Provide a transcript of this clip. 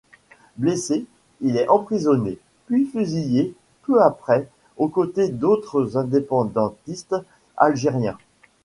Blessé, il est emprisonné, puis fusillé, peu après, au côté d'autres indépendantistes algériens.